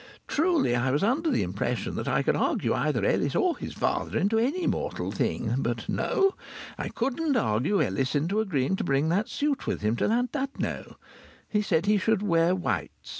Truly I was under the impression that I could argue either Ellis or his father into any mortal thing. But no! I couldn't argue Ellis into agreeing to bring that suit with him to Llandudno. He said he should wear whites.